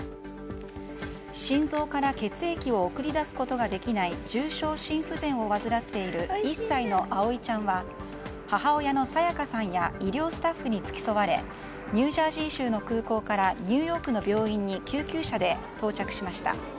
心臓から血液を送り出すことができない重症心不全を患っている１歳の葵ちゃんは母親の清香さんや医療スタッフに付き添われニュージャージー州の空港からニューヨークの病院に救急車で到着しました。